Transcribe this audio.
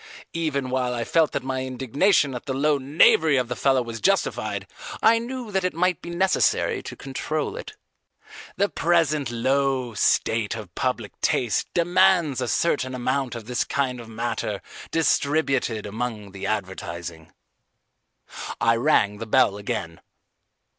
Even while I felt that my indignation at the low knavery of the fellow was justified, I knew that it might be necessary to control it. The present low state of public taste demands a certain amount of this kind of matter distributed among the advertising. I rang the bell again.